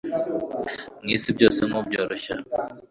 mu isi byose nku byoroshya